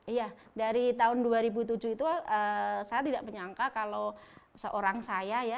iya dari tahun dua ribu tujuh itu saya tidak menyangka kalau seorang saya ya